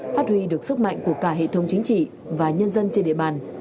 phát huy được sức mạnh của cả hệ thống chính trị và nhân dân trên địa bàn